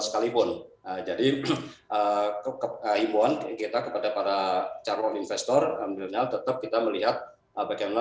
sekalipun jadi kekepuan kita kepada para caron investor ambilnya tetap kita melihat bagaimana